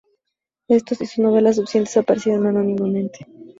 Estos y sus novelas subsiguientes aparecieron anónimamente.